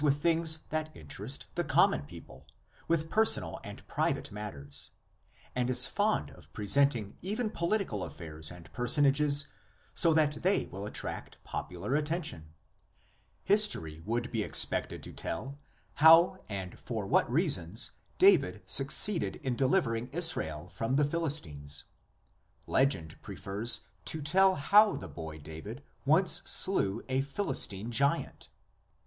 5 with things that interest the common people, with personal and private matters, and is fond of present ing even political affairs and personages so that they will attract popular attention. History would be expected to tell how and for what reasons David succeeded in delivering Israel from the Philistines; legend prefers to tell how the boy David once slew a Philistine giant.